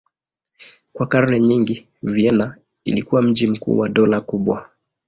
Kwa karne nyingi Vienna ilikuwa mji mkuu wa dola kubwa.